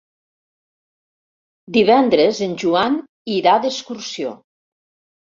Divendres en Joan irà d'excursió.